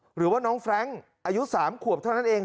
หรือว่าน้องแฟรงค์อายุ๓ขวบเท่านั้นเอง